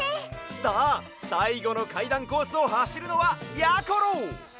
さあさいごのかいだんコースをはしるのはやころ！